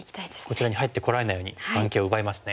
こちらに入ってこられないように眼形を奪いますね。